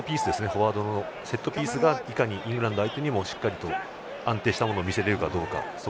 フォワードのセットピースがいかにイングランド相手にもしっかり安定したものを見せられるかどうか。